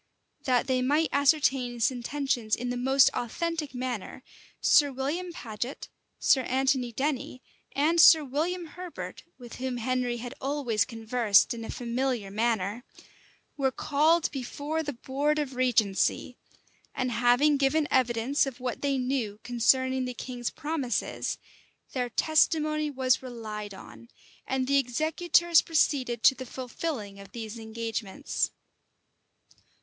[] That they might ascertain his intentions in the most authentic manner Sir William Paget, Sir Anthony Denny, and Sir William Herbert, with whom Henry had always conversed in a familiar manner, were called before the board of regency; and having given evidence of what they knew concerning the king's promises, their testimony was relied on, and the executors proceeded to the fulfilling of these engagements.